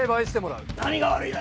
何が悪いだ！